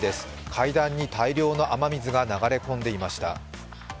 階段に大量の雨水が流れ込んでいました。